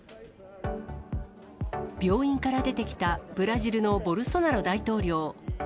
病院から出てきたブラジルのボルソナロ大統領。